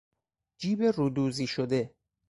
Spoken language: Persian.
جیب رودوزی شده